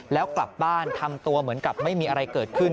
แล้วกลับบ้านทำตัวเหมือนกับไม่มีอะไรเกิดขึ้น